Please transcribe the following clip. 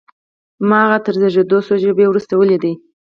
ما هغه تر زېږېدو څو شېبې وروسته وليد.